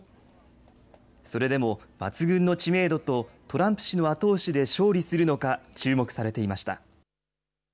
それでも抜群の知名度とトランプ氏の後押しで勝利するのか注目されていました。